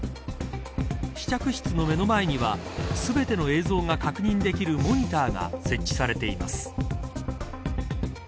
試着室の目の前には全ての映像が確認できるモニターが設置されています。